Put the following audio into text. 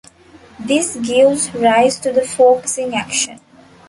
This gives rise to the focusing action.